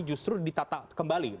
justru ditata kembali